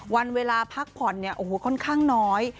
วันเวลาพักผ่อนเนี่ยโอ้โหค่อนข้างน้อย